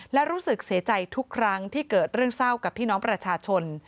และรู้สึกเสียใจทุกครั้งที่เกิดเรื่องเศร้ากับพี่น้องประชาชน